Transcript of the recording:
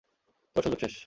তোর সুযোগ শেষ।